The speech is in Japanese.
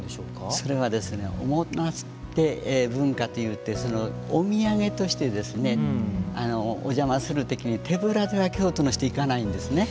それはおもたせ文化といってお土産としてお邪魔する時に手ぶらでは京都の人行かないんですね。